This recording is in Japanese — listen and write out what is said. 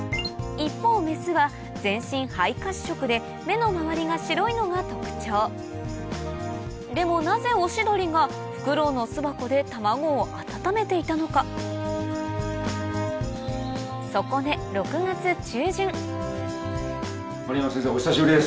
一方メスは全身灰褐色で目の周りが白いのが特徴でもなぜオシドリがフクロウの巣箱で卵を温めていたのかそこで守山先生お久しぶりです。